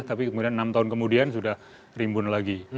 tapi kemudian enam tahun kemudian sudah rimbun lagi